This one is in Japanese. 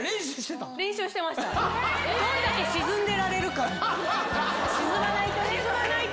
どんだけ沈んでいられるか。